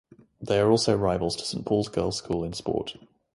They are also rivals to st paul's girls school in sport.